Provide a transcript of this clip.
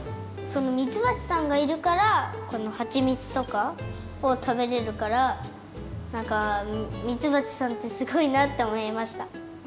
そのみつばちさんがいるからこのはちみつとかをたべれるからなんかみつばちさんってすごいなっておもいました。